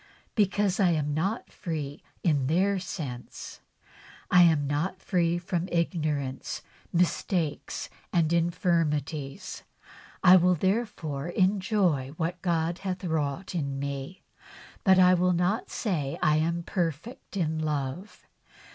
Because I am not free in their sense, I am not free from ignorance, mistakes and infirmities. I will therefore enjoy what God hath wrought in me, but I will not say I am perfect in love.